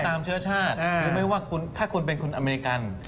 เชื้อชาติหรือไม่ว่าถ้าคุณเป็นคนอเมริกัน